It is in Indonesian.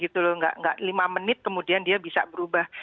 tidak lima menit kemudian dia bisa berubah